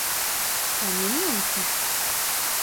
Sen yemiyor musun?